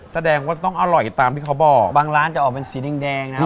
แสดงว่าต้องอร่อยตามที่เขาบอกบางร้านจะออกเป็นสีแดงนะครับ